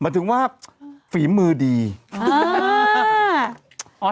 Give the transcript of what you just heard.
หมายถึงว่าฝีมือดีอ้าว